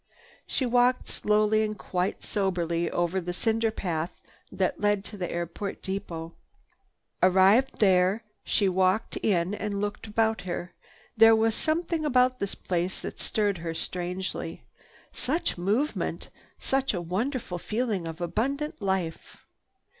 She walked slowly and quite soberly over the cinder path that led to the airport depot. Arrived there, she walked in and looked about her. There was something about the place that stirred her strangely. "Such movement! Such a wonderful feeling of abundant life!"